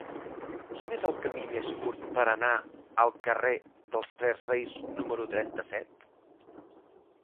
Quin és el camí més curt per anar al carrer dels Tres Reis número trenta-set?